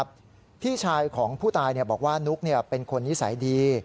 พี่ชายของผู้ตายบอกว่านุ๊กเป็นคนนิสัยดี